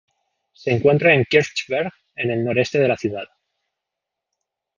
Se encuentra en Kirchberg, en el noreste de la ciudad.